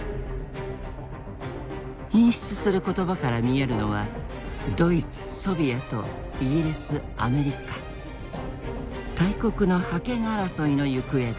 頻出する言葉から見えるのはドイツソビエトイギリスアメリカ大国の覇権争いの行方である。